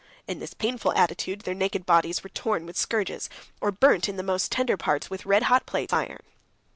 In this painful attitude their naked bodies were torn with scourges, or burnt in the most tender parts with red hot plates of iron.